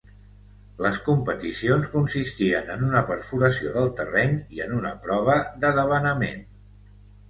Les competicions consistien en una perforació del terreny i una "prova de debanament".